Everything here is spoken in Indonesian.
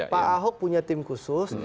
pak ahok punya tim khusus